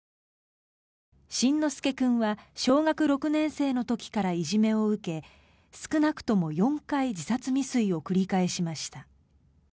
辰乃輔君は小学６年生の時からいじめを受け少なくとも４回自殺未遂を繰り返しました。